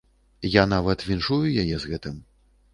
Я нават віншую яе з гэтым.